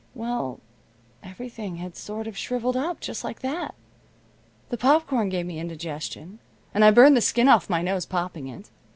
Well, everything had sort of shriveled up just like that. The popcorn gave me indigestion, and I burned the skin off my nose popping it.